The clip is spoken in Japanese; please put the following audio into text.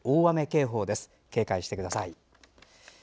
警戒してください。